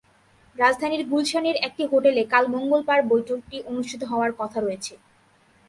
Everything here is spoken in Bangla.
রাজধানীর গুলশানের একটি হোটেলে কাল মঙ্গলবার বৈঠকটি অনুষ্ঠিত হওয়ার কথা রয়েছে।